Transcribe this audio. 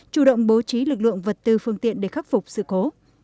chủ động bố trí lực lượng vật tư phương tiện để khắc phục sự cố